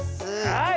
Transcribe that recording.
はい！